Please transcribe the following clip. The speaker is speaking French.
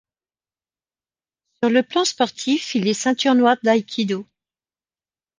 Sur le plan sportif, il est ceinture noire d’aïkido.